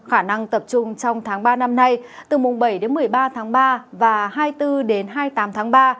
khả năng tập trung trong tháng ba năm nay từ mùng bảy đến một mươi ba tháng ba và hai mươi bốn đến hai mươi tám tháng ba